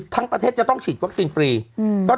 นโยบายประเทศจะต้องมีความสามารถชีดวัคซินฟรี